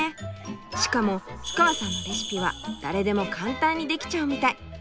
しかも氷川さんのレシピは誰でも簡単にできちゃうみたい！